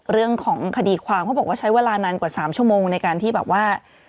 เรื่องของคดีความเขาบอกว่าใช้เวลานานกว่า๓ชั่วโมงในการที่แบบว่า